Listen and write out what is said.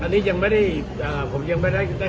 อันนี้บ้านใครผมยังไม่ทราบเลย